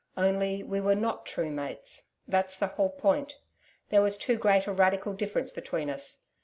Only we were not true mates that's the whole point. There was too great a radical difference between us.